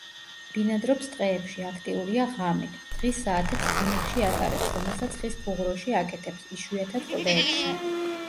ბინადრობს ტყეებში, აქტიურია ღამით; დღის საათებს ბუნაგში ატარებს, რომელსაც ხის ფუღუროში აკეთებს, იშვიათად კლდეებში.